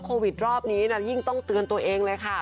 โควิดรอบนี้ยิ่งต้องเตือนตัวเองเลยค่ะ